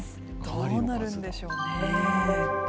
どうなるんでしょうね。